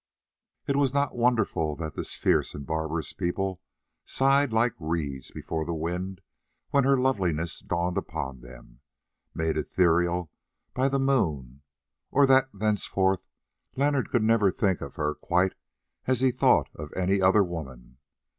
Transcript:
It was not wonderful that this fierce and barbarous people sighed like reeds before the wind when her loveliness dawned upon them, made ethereal by the moon, or that thenceforth Leonard could never think of her quite as he thought of any other woman.